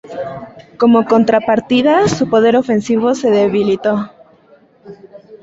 Como contrapartida, su poder ofensivo se debilitó.